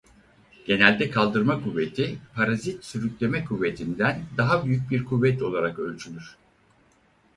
Genelde kaldırma kuvveti parazit sürükleme kuvvetinden daha büyük bir kuvvet olarak ölçülür.